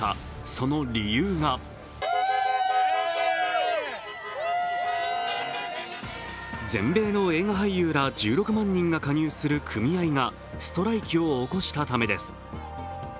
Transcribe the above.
その理由が全米の映画俳優ら１６万人が加入する組合がストライキを起こしたためです。